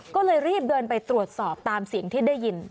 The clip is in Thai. ก็เลยรีบเดินไปตรวจสอบตามเสียงที่ได้ยิน